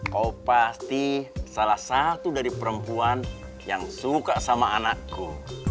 kau pasti salah satu dari perempuan yang suka sama anakku